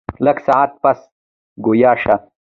لږ ساعت پس ګویا شۀ ـ